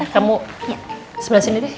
kamu sebelah sini deh